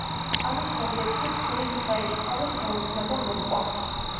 ამის შემდეგში ქსნის საერისთავოს გაუქმება მოჰყვა.